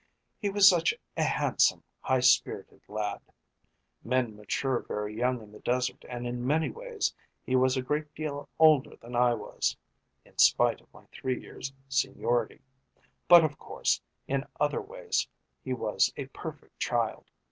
He was such a handsome, high spirited lad. Men mature very young in the desert and in many ways he was a great deal older than I was, in spite of my three years' seniority. But, of course, in other ways he was a perfect child.